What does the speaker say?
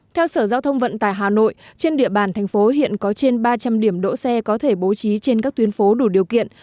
theo sở giao thông vận tải hà nội trên địa bàn thành phố hiện có trên ba trăm linh điểm đỗ xe có thể bố trí trên các tuyến phố đủ điều kiện